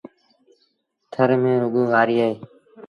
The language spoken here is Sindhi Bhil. ٿر ميݩ رڳو وآريٚ اهي۔